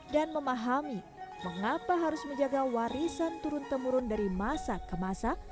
dan memahami mengapa harus menjaga warisan turun temurun dari masa ke masa